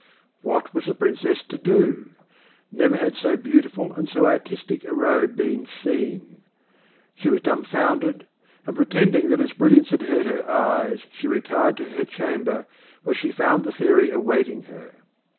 What was the Princess to do? Never had so beautiful and so artistic a robe been seen. She was dumb founded, and pretending that its brilliance had hurt her eyes she retired to her chamber, where she found the Fairy awaiting her.